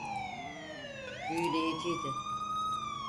Büyüleyiciydi.